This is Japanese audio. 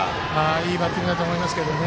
いいバッティングだと思いますけどね。